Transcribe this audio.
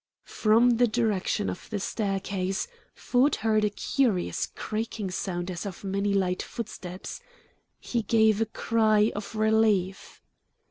From the direction of the staircase Ford heard a curious creaking sound as of many light footsteps. He gave a cry of relief.